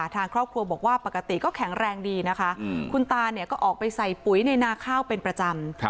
ทางครอบครัวบอกว่าปกติก็แข็งแรงดีนะคะคุณตาเนี่ยก็ออกไปใส่ปุ๋ยในนาข้าวเป็นประจำ